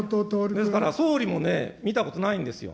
ですから、総理もね、見たことないんですよ。